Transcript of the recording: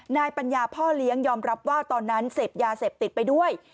นายปัญญาพ่อเลี้ยงยอมรับว่าตอนนั้นเสพยาเสพติดไปด้วย